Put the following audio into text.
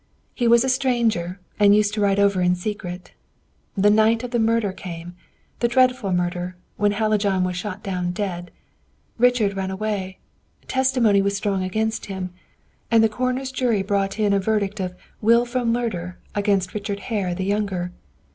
He was a stranger, and used to ride over in secret. The night of the murder came the dreadful murder, when Hallijohn was shot down dead. Richard ran away; testimony was strong against him, and the coroner's jury brought in a verdict of 'Wilful Murder against Richard Hare the younger.